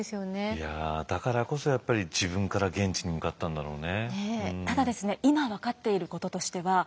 いやだからこそやっぱり自分から現地に向かったんだろうね。